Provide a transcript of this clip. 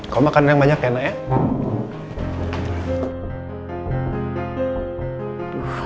kalo makan yang banyak ya enak ya